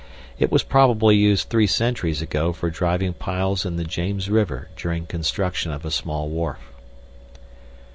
It was probably used three centuries ago for driving piles in the James River during construction of a small wharf.